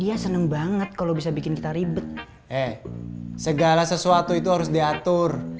iya seneng banget kalau bisa bikin kita ribet eh segala sesuatu itu harus diatur